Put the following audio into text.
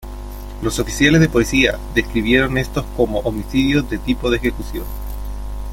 Los oficiales de policía describieron estos como homicidios de tipo ejecución.